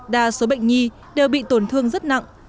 đa số bệnh nhi đều bị tổn thương rất nặng